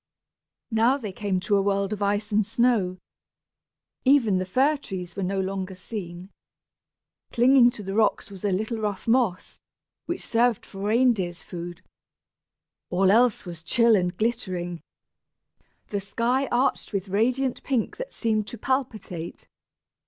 Now they came to a world of ice and snow. Even the fir trees were no longer seen. Clinging to the rocks was a little rough moss, which served for reindeers' food. All else was chill and glittering the sky arched with radiant pink that seemed to palpitate.